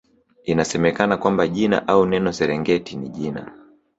Inasemekana kwamba jina au neno Serengeti ni jina